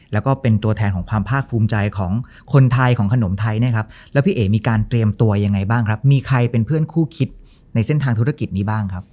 แล้วก็เป็นตัวแทนของความภาคภูมิใจของคนไทยของขนมไทยเนี่ยครับแล้วพี่เอ๋มีการเตรียมตัวยังไงบ้างครับมีใครเป็นเพื่อนคู่คิดในเส้นทางธุรกิจนี้บ้างครับ